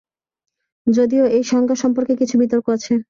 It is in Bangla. যদিও এই সংজ্ঞা সম্পর্কে কিছু বিতর্ক আছে।